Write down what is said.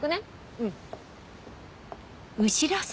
うん。